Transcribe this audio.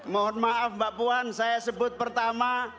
mohon maaf mbak puan saya sebut pertama